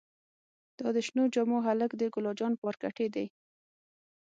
دا د شنو جامو هلک د ګلا جان پارکټې دې.